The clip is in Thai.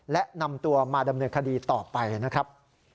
และนำตัวมาดำเนินคดีต่อไปนะครับ